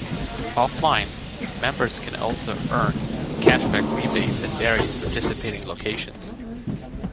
Offline, members can also earn cash back rebates at various participating locations.